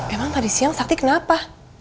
emang tadi siang sakti kenapa